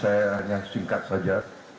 saya hanya singkat saja